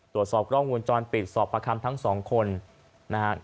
ตรวจสอบกล้องวนจรปิดสอบพระคำทั้งสองคน